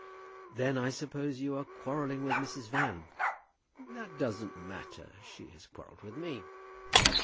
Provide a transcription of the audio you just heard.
"Then I suppose you are quarrelling with Mrs. Van?" "That doesn't matter. She has quarrelled with me."